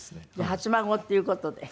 初孫っていう事で？